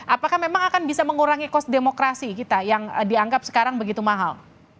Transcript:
apakah memang akan bisa mengurangi kos demokrasi kita yang dianggap sekarang begitu mahal